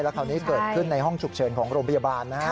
คราวนี้เกิดขึ้นในห้องฉุกเฉินของโรงพยาบาลนะฮะ